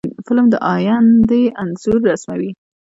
فلم د آینده انځور رسموي